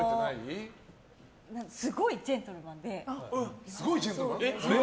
すごいジェントルマンで。